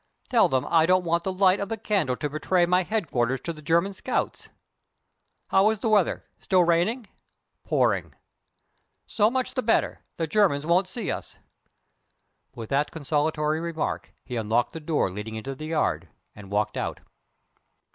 Tell them I don't want the light of the candle to betray my headquarters to the German scouts. How is the weather? Still raining?" "Pouring." "So much the better. The Germans won't see us." With that consolatory remark he unlocked the door leading into the yard, and walked out.